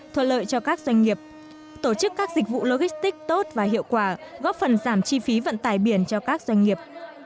thuận lợi cho các doanh nghiệp tổ chức các dịch vụ logistics tốt và hiệu quả góp phần giảm chi phí vận tải biển cho các doanh nghiệp